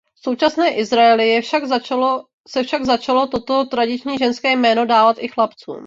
V současném Izraeli se však začalo toto tradiční ženské jméno dávat i chlapcům.